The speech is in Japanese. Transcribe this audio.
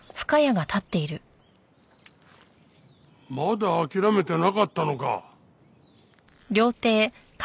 まだ諦めてなかったのか。